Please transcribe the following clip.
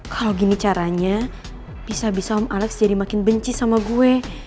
kalau gini caranya bisa bisa om alex jadi makin benci sama gue